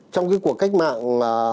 trong cái cuộc cách mạng